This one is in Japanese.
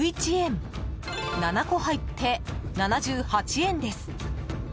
７個入って７８円です。